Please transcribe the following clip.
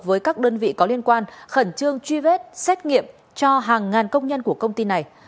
với các đơn vị có liên quan khẩn trương truy vết xét nghiệm cho hàng ngàn công nhân của công ty này